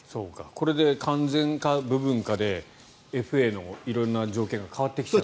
これで完全か部分かでＦＡの色んな条件が変わってきちゃう。